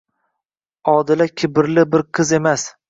Odila kibrli bir qiz emas.